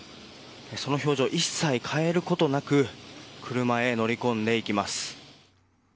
その表情、一切変えることなく、車へ乗り込んでいきます。